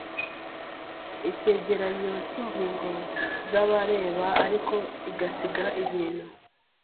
Ikigereranyo cyingingo zabareba ariko igasiga ibintu